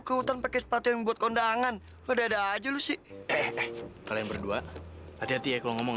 ikutan pakai sepatu yang buat kondangan udah aja lu sih eh kalian berdua hati hati ya kalau ngomong